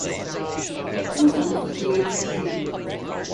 They had two sons, James and David.